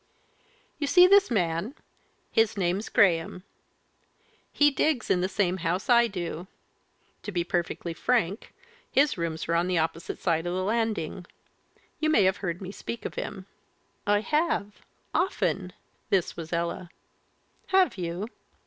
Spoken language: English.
"You see this man. His name's Graham. He digs in the same house I do. To be perfectly frank, his rooms are on the opposite side of the landing. You may have heard me speak of him." "I have. Often!" This was Ella. "Have you?